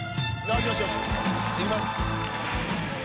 いきます。